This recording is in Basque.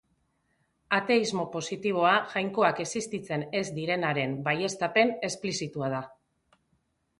Ateismo positiboa jainkoak existitzen ez direnaren baieztapen esplizitua da.